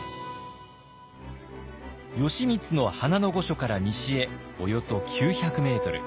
義満の花の御所から西へおよそ９００メートル。